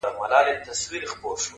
چي محبت يې زړه كي ځاى پـيـدا كـړو.